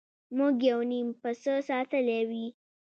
موږ یو نیم پسه ساتلی وي.